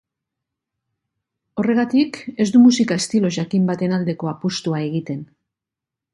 Horregatik, ez du musika-estilo jakin baten aldeko apustua egiten.